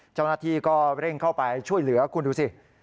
เจ้าหน้าที่ก็เร่งเข้าไปช่วยเหลือคุณดูสิ